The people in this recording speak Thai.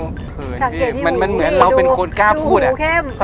เขินพี่มันเหมือนเราเป็นคนกล้าพูดอะมันเหมือนเราเป็นคนกล้าพูดอะดูหูเข้ม